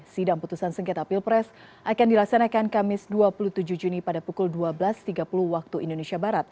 sidang putusan sengketa pilpres akan dilaksanakan kamis dua puluh tujuh juni pada pukul dua belas tiga puluh waktu indonesia barat